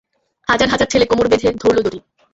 হাজার হাজার ছেলে কোমর বেঁধে ধরল দড়ি।